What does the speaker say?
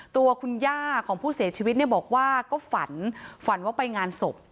ตัวคุณย่าของผู้เสียชีวิตเนี่ยบอกว่าก็ฝันฝันว่าไปงานศพ